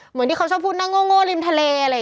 เหมือนที่เขาชอบพูดนั่งโง่ริมทะเลอะไรอย่างนี้